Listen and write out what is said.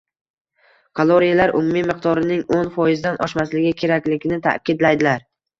kaloriyalar umumiy miqdorining o‘n foizidan oshmasligi kerakligini ta’kidlaydilar.